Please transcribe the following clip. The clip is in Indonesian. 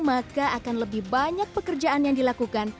maka akan lebih banyak pekerjaan yang dilakukan